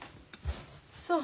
そう。